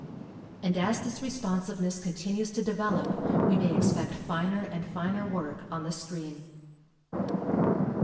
And as this responsiveness continues to develop, we may expect finer and finer work on the screen.